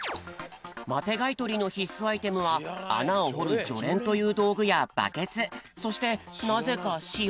マテがいとりのひっすアイテムはあなをほるじょれんというどうぐやバケツそしてなぜかしお。